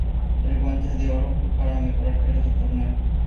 El Guante de Oro fue para el mejor arquero del torneo.